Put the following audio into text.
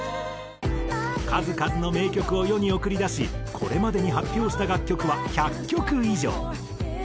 数々の名曲を世に送り出しこれまでに発表した楽曲は１００曲以上。